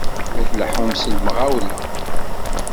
La tleḥḥumt s lemɣawla!